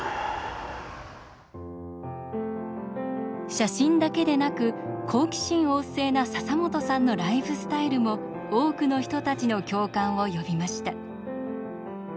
写真だけでなく好奇心旺盛な笹本さんのライフスタイルも多くの人たちの共感を呼びました。